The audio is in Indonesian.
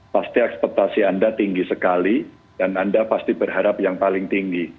pasti ekspektasi anda tinggi sekali dan anda pasti berharap yang paling tinggi